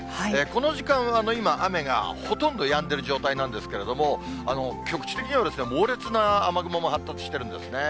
この時間は今、雨がほとんどやんでる状態なんですけれども、局地的には猛烈な雨雲も発達してるんですね。